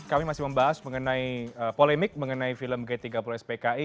kami masih membahas mengenai polemik mengenai film g tiga puluh spki